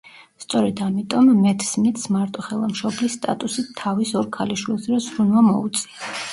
სწორედ ამიტომ, მეთ სმიტს მარტოხელა მშობლის სტატუსით თავის ორ ქალიშვილზე ზრუნვა მოუწია.